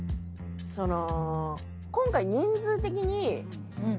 その。